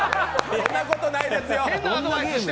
そんなことないですよ。